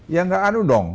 ya tidak ada masalah